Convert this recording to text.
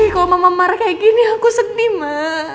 kalo mama marah kayak gini aku sedih ma